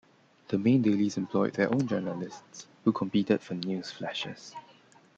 The main dailies employed their own journalists who competed for news flashes.